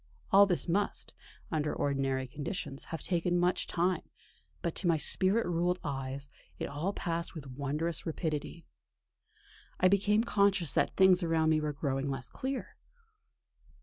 All this must, under ordinary conditions, have taken much time, but to my spirit ruled eyes it all passed with wondrous rapidity.... I became conscious that things around me were growing less clear.